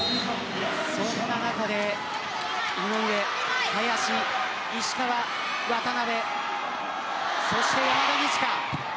その中で井上、林、石川渡邊、そして山田二千華。